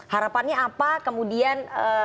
harapannya apa kemudian